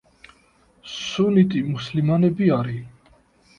სუნიტი მუსლიმანები არიან.